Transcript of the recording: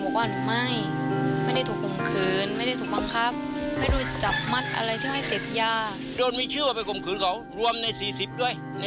ข้าวจะช่วย